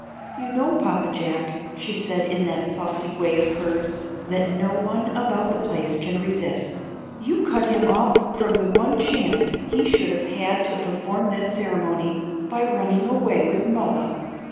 "You know, Papa Jack," she said in that saucy way of hers that no one about the place can resist, "you cut him off from the one chance he should have had to perform that ceremony, by running away with mothah.